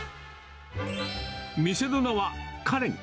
店の名はカレン。